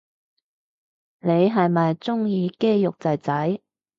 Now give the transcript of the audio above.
你係咪鍾意肌肉仔仔